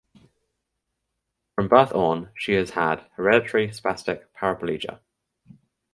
From birth on she has hereditary spastic paraplegia.